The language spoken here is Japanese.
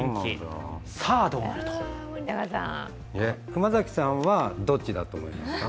熊崎さんはどっちだと思うんですか？